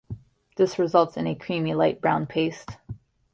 This results in a creamy, light brown paste.